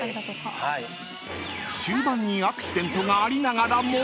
［終盤にアクシデントがありながらも］